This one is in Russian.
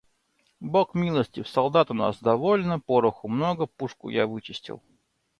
– Бог милостив: солдат у нас довольно, пороху много, пушку я вычистил.